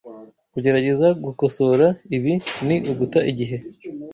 Kugerageza gukosora ibi ni uguta igihe.